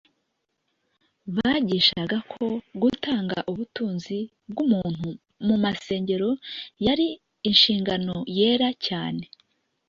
Bagishaga ko gutanga ubutunzi bw'umuntu mu msengero yari inshingano yera cyane